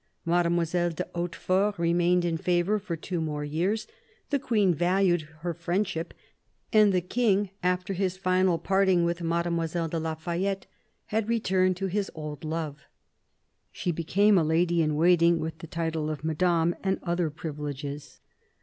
Mademoiselle de Hautefort remained in favour for two more years ; the Queen valued her friendship, and the King, after his final parting with Mademoiselle de la Fayette, had returned to his old love ; she became a lady in waiting, with the title of Madame and other privileges.